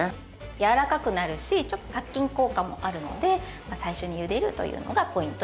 軟らかくなるしちょっと殺菌効果もあるので最初にゆでるというのがポイントになります。